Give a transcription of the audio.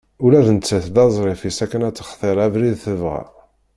Ula d nettat d aẓref-is akken ad textir abrid tebɣa.